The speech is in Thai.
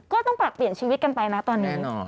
ก็ต้องปรับเปลี่ยนชีวิตกันไปนะตอนนี้